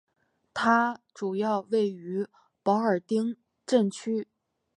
它主要位于保尔丁镇区。